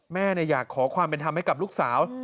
แม่อยากขอความเป็นธรรมให้กับลูกสาว